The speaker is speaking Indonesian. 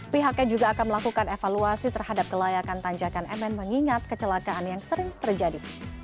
pihaknya juga akan melakukan evaluasi terhadap kelayakan tanjakan mn mengingat kecelakaan yang sering terjadi